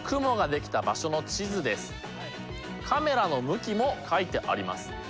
カメラの向きも書いてあります。